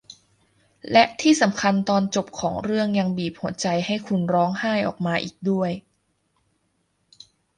และที่สำคัญตอนจบของเรื่องยังบีบหัวใจให้คุณร้องไห้ออกมาอีกด้วย